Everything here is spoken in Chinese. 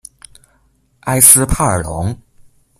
埃斯帕尔龙。